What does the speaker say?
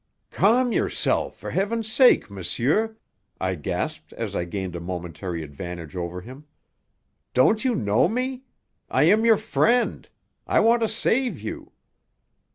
"Calm yourself, for Heaven's sake, monsieur!" I gasped as I gained a momentary advantage over him. "Don't you know me? I am your friend. I want to save you!"